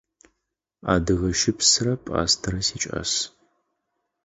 Адыгэ щыпсрэ пӏастэрэ сикӏас.